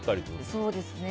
そうですね。